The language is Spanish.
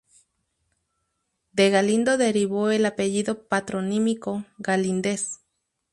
De Galindo derivó el apellido patronímico Galíndez.